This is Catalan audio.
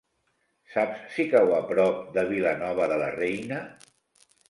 Saps si cau a prop de Vilanova de la Reina?